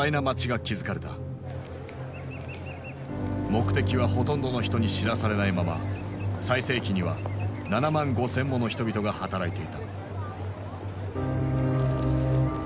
目的はほとんどの人に知らされないまま最盛期には７万５，０００もの人々が働いていた。